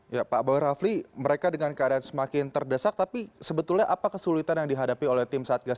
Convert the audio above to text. ya pak boy rafli mereka dengan keadaan semakin terdesak tapi sebetulnya apa kesulitan yang dihadapi oleh tim satgas